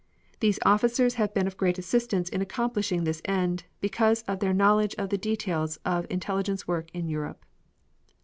These officers have been of great assistance in accomplishing this end, because of their knowledge of the details of intelligence work in Europe.